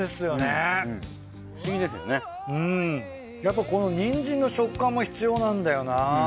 やっぱこのにんじんの食感も必要なんだよな。